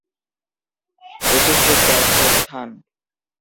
এটি খুব ব্যস্ত স্থান।